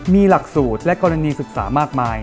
มีหลักสูตรและกรณีศึกษามากมาย